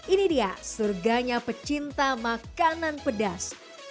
ini dia surganya pecinta makanan pedas